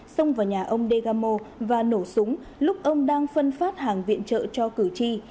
xông vào nhà ông degamo và nổ súng lúc ông đang phân phát hàng viện trợ cho cử tri